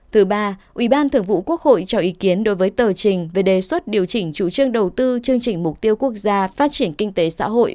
thứ ba ủy ban thường vụ quốc hội cho ý kiến đối với tờ trình về đề xuất điều chỉnh chủ trương đầu tư chương trình mục tiêu quốc gia phát triển kinh tế xã hội